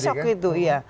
saya sampai shock itu ya